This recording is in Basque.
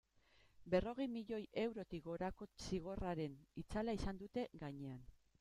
Berrogei milioi eurotik gorako zigorraren itzala izan dute gainean.